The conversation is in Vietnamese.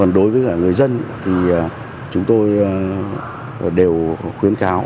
đối với người dân thì chúng tôi đều khuyến cáo